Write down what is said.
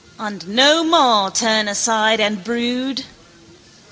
And no more turn aside and brood.